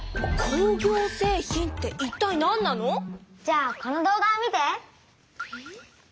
ショーゴじゃあこの動画を見て！